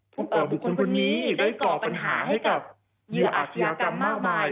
บุคคลคนนี้ได้ก่อปัญหาให้กับเหยื่ออาชญากรรมมากมาย